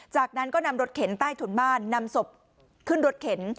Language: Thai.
จากนั้นก็นำรถเข็นใต้ถุนบ้านนำศพขึ้นรถเข็น